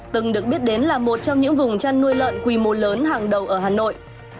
từng được biết đến là một trong những vùng chăn nuôi lợn quy mô lớn hàng đầu ở hà nội